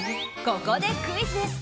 ここでクイズです。